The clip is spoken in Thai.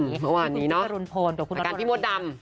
เมื่อวานนี้เนาะอาการพี่มดดำ